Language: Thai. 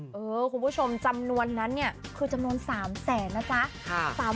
คุณผู้ชมจำนวนนั้นเนี่ยคือจำนวน๓แสนนะจ๊ะ